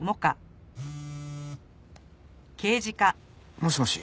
もしもし。